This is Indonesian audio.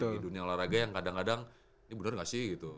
di dunia olahraga yang kadang kadang ini bener gak sih gitu